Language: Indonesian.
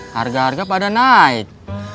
harga harga pada naik